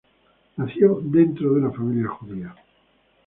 Nació dentro de una familia judía.